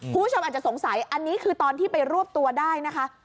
คุณผู้ชมอาจจะสงสัยอันนี้คือตอนที่ไปรวบตัวได้นะคะ